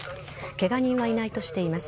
ケガ人はいないとしています。